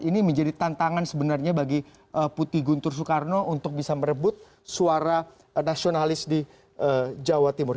ini menjadi tantangan sebenarnya bagi putih guntur soekarno untuk bisa merebut suara nasionalis di jawa timur